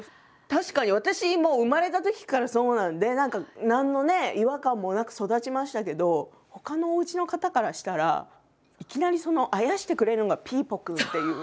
確かに私もう生まれたときからそうなんで何か何の違和感もなく育ちましたけどほかのおうちの方からしたらいきなりあやしてくれるのがピーポくんっていう。